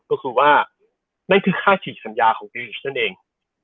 ก็คือว่านั่นคือค่าฉีกสัญญาของดีลิชนั่นเอง